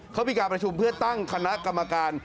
เขามีการประชุมเพื่อตั้งคณะกรรมการ